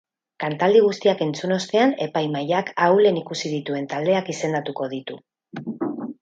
Kantaldi guztiak entzun ostean, epaimahaiak ahulen ikusi dituen taldeak izendatuko ditu.